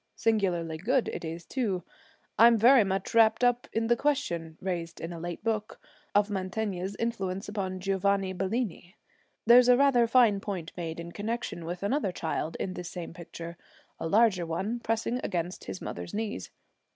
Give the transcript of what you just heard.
Singularly good it is, too. I'm very much wrapped up in the question, raised in a late book, of Mantegna's influence upon Giovanni Bellini. There's a rather fine point made in connection with another child in this same picture a larger one, pressing against his mother's knees.'